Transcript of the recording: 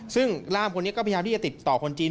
ซึ่งร่ามคนนี้ก็พยายามที่จะติดต่อคนจีน